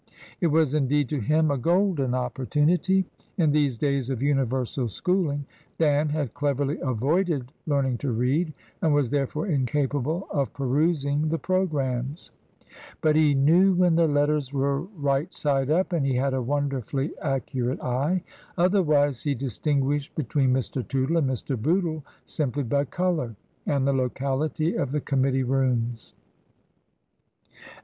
It was indeed to him a golden opportunity. In these days of universal schooling Dan had cleverly avoided learning to read, and was therefore incapable of perusing the programmes, but he knew when the letters were right side up, and he had a wonderfully accurate eye ; other wise he distinguished between Mr. Tootle and Mr. Bootle simply by colour and the locality of the committee rooms.